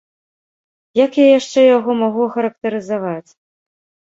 Як я яшчэ яго магу ахарактарызаваць?